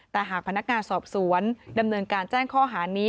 แต่หากพนักงานสอบสวนดำเนินการแจ้งข้อหานี้